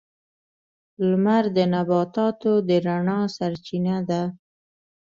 • لمر د نباتاتو د رڼا سرچینه ده.